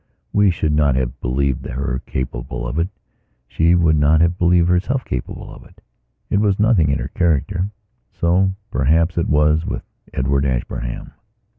We should not have believed her capable of it; she would not have believed herself capable of it. It was nothing in her character. So, perhaps, it was with Edward Ashburnham.